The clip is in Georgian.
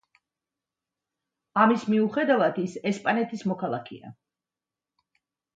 ამის მიუხედავად, ის ესპანეთის მოქალაქეა.